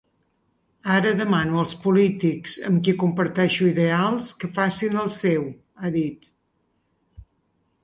Ara demano als polítics amb qui comparteixo ideals que facin el seu, ha dit.